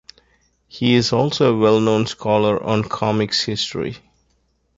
He is also a well-known scholar on comics history.